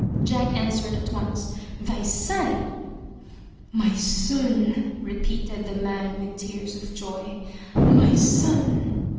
Jack answered at once, "Thy son!" "My son!" repeated the man with tears of joy. "My son!"